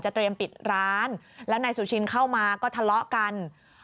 เตรียมปิดร้านแล้วนายสุชินเข้ามาก็ทะเลาะกัน